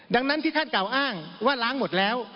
ดังนั้นที่ท่านกล่าวอ้างว่าล้างหมดแล้ว